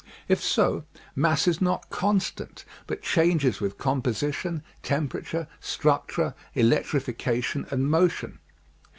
If so, mass is not con stant but changes with composition, temperature, struc ture, electrification and motion.